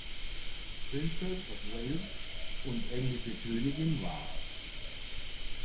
Princess of Wales und englische Königin war.